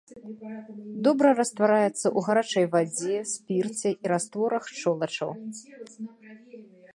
Добра раствараецца ў гарачай вадзе, спірце і растворах шчолачаў.